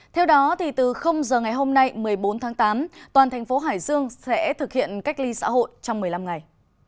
theo đó từ giờ ngày hôm nay một mươi bốn tháng tám toàn thành phố hải dương sẽ thực hiện cách ly xã hội trong một mươi năm ngày